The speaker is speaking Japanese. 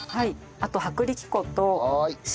あと薄力粉と塩。